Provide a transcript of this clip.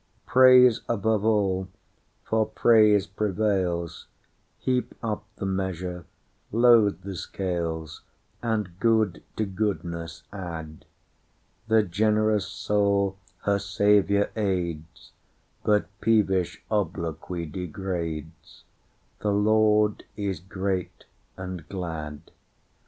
Praise above all—for praise prevails; Heap up the measure, load the scales, And good to goodness add:The generous soul her Saviour aids, But peevish obloquy degrades; The Lord is great and glad.